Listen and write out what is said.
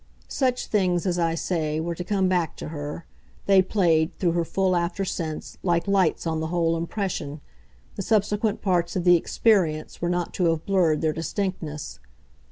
Such things, as I say, were to come back to her they played, through her full after sense, like lights on the whole impression; the subsequent parts of the experience were not to have blurred their distinctness.